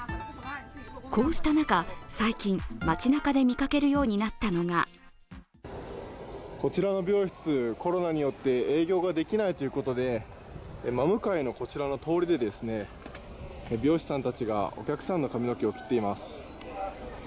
こうした中、最近、街なかで見かけるようになったのがこちらの美容室、コロナによって営業できないということで真向かいのこちらの通りで美容師さんたちがお客さんの髪の毛を切っています。